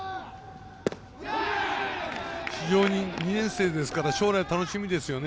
非常に２年生ですから将来、楽しみですよね。